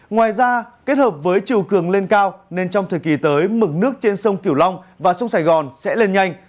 ngoài ra kết hợp với chiều cường lên cao nên trong thời kỳ tới mực nước trên sông kiểu long và sông sài gòn sẽ lên nhanh